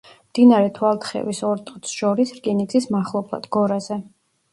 მდინარე თვალთხევის ორ ტოტს შორის, რკინიგზის მახლობლად, გორაზე.